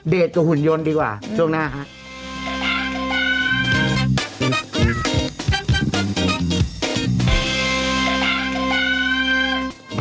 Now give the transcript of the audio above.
เดรตกับหุ่นยนต์ดีกว่าช่วงหน้าครับ